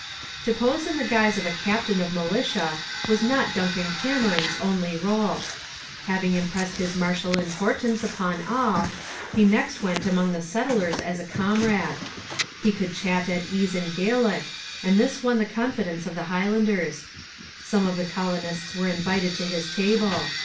To pose in the guise of a captain of militia was not Duncan Cameron's only role. Having impressed his martial importance upon all, he next went among the settlers as a comrade. He could chat at ease in Gaelic, and this won the confidence of the Highlanders. Some of the colonists were invited to his table.